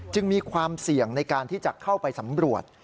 มีความเสี่ยงในการที่จะเข้าไปสำรวจ